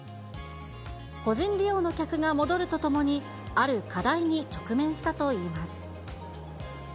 個人利用の客が戻るとともに、ある課題に直面したといいます。